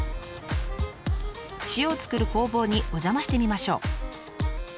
塩を作る工房にお邪魔してみましょう。